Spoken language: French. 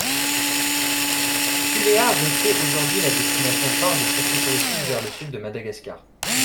Tuléar restait aujourd'hui la destination phare des circuits touristiques vers le sud de Madagascar.